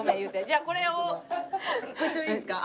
じゃあこれをご一緒でいいですか？